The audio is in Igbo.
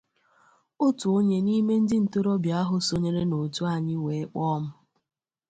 Otu onye n'ime ndị ntorobịa ahụ sonyere n'òtù anyị wee kpọọ m